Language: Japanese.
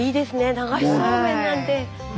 流しそうめんなんて。